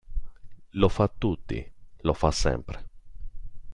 Lo fa a tutti, lo fa sempre.